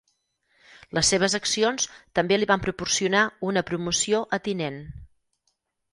Les seves accions també li van proporcionar una promoció a tinent.